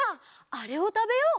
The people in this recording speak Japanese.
あれをたべよう。